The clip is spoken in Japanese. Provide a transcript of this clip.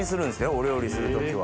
お料理する時は。